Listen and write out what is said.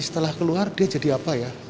setelah keluar dia jadi apa ya